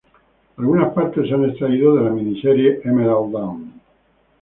Algunas partes se han extraído de la mini-serie Emerald Dawn.